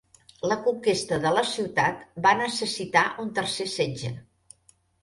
La conquesta de la ciutat va necessitar un tercer setge.